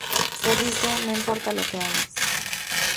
Le dice: ""No importa lo que hagas.